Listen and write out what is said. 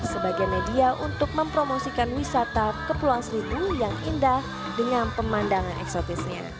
sebagai media untuk mempromosikan wisata kepulauan seribu yang indah dengan pemandangan eksotisnya